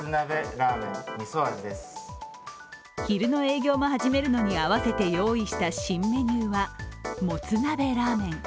昼の営業も始めるのにあわせて用意した新メニューはもつ鍋ラーメン。